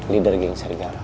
leader geng serigala